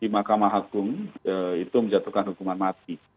mahkamah agung itu menjatuhkan hukuman mati